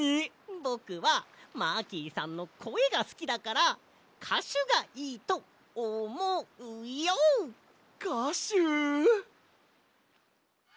ぼくはマーキーさんのこえがすきだからかしゅがいいとおもうＹＯ！かしゅ！